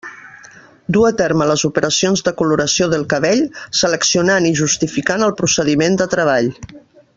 Du a terme les operacions de coloració del cabell seleccionant i justificant el procediment de treball.